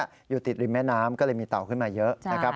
อยู่ติดริมแม่น้ำก็เลยมีเต่าขึ้นมาเยอะนะครับ